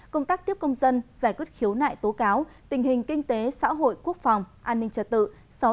công tác tiếp công dân giải quyết khiếu nại tố cáo tình hình kinh tế xã hội quốc phòng an ninh trật tự